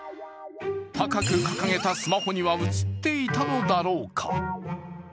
高く掲げたスマホには映っていたのだろうか。